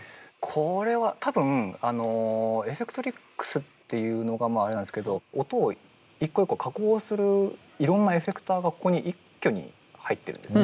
これは多分あのエフェクトリックスっていうのがあれなんですけど音を一個一個加工するいろんなエフェクターがここに一挙に入ってるんです。